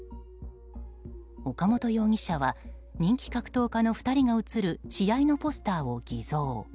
岡本容疑者は人気格闘家の２人が映る試合のポスターを偽造。